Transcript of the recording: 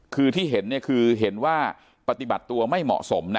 คือที่เห็นคือเห็นว่าปฏิบัติตัวไม่เหมาะสมนะ